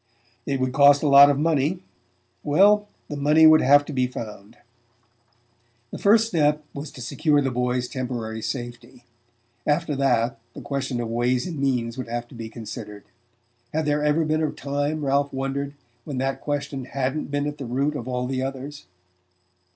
It would cost a lot of money well, the money would have to be found. The first step was to secure the boy's temporary safety; after that, the question of ways and means would have to be considered...Had there ever been a time, Ralph wondered, when that question hadn't been at the root of all the others?